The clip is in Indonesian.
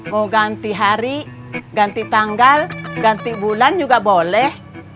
mau ganti hari ganti tanggal ganti bulan juga boleh